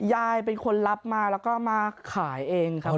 ยายเป็นคนรับมาแล้วก็มาขายเองครับ